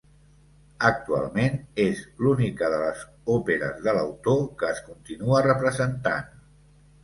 Actualment, és l'única de les òperes de l'autor que es continua representant.